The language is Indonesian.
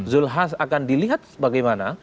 zulhas akan dilihat bagaimana